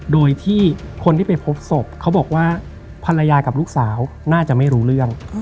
โดยที่คนที่ไปพบศพเขาบอกว่าภรรยากับลูกสาวน่าจะไม่รู้เรื่อง